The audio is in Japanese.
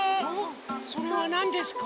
それはなんですか？